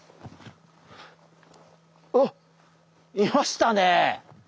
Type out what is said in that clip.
あっいましたね。